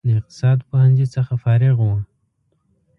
د اقتصاد پوهنځي څخه فارغ و.